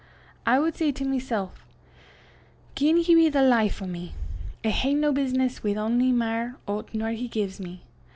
I wad say to mysel', Gien he be the life o' me, I hae no business wi' ony mair o' 't nor he gies me.